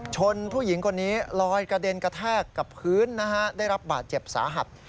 ชนผู้หญิงคนนี้ลอยกระเด็นกระแทกกับพื้นนะฮะได้รับบาดเจ็บสาหัส